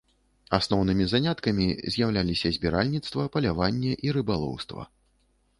Асноўнымі заняткамі з'яўляліся збіральніцтва, паляванне і рыбалоўства.